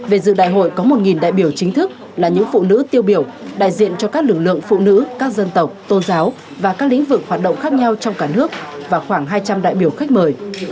về dự đại hội có một đại biểu chính thức là những phụ nữ tiêu biểu đại diện cho các lực lượng phụ nữ các dân tộc tôn giáo và các lĩnh vực hoạt động khác nhau trong cả nước và khoảng hai trăm linh đại biểu khách mời